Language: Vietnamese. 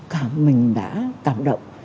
cảm mình đã cảm động